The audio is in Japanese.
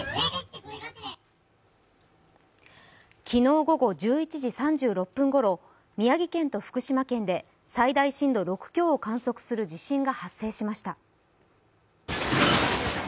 昨日午後１１時３６分ごろ、宮城県と福島県で最大震度６強を観測する地震が発生しました。